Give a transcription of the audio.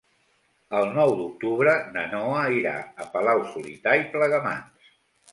El nou d'octubre na Noa irà a Palau-solità i Plegamans.